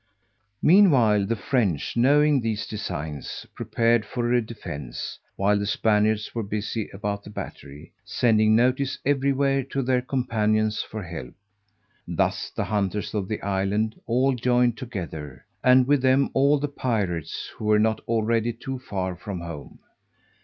Meanwhile, the French knowing these designs, prepared for a defence (while the Spaniards were busy about the battery) sending notice everywhere to their companions for help. Thus the hunters of the island all joined together, and with them all the pirates who were not already too far from home.